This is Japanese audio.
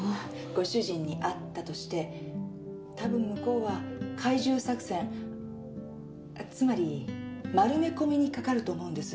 ご主人に会ったとしてたぶん向こうは懐柔作戦つまり丸め込みにかかると思うんです。